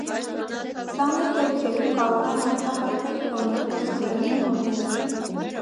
Ծանր դեպքերում կարող են ախտահարվել բոլոր ոսկրերն ու հոդերը։